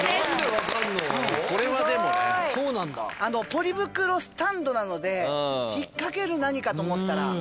ポリ袋スタンドなので引っかける何かと思ったら。